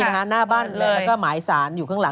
และมายศาลอยู่ข้างหลัง